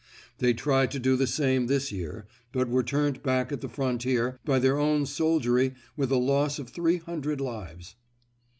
They tried to do the same this year, but were turned back at the frontier by their own soldiery with a loss of three hundred lives.